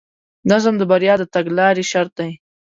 نظم د بریا د تګلارې شرط دی.